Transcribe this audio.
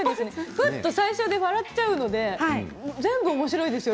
ふっと最初で笑っちゃうので全部おもしろいですよ